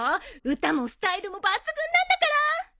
歌もスタイルも抜群なんだから！